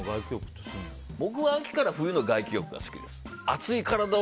僕は秋から冬の外気浴が好きです。